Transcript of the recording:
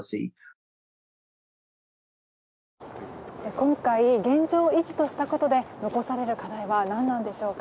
今回現状維持としたことで残される課題は何なのでしょうか。